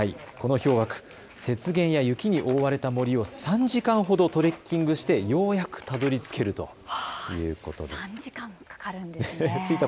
この氷ばく、雪原や雪に覆われた森を３時間ほどトレッキングしてようやくたどりつけるということです。